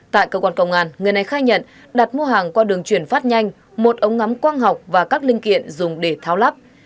tại cơ quan công an người này khai nhận đặt mua hàng qua đường chuyển phát nhanh một ống ngắm quang học và các linh kiện dùng để tháo lắp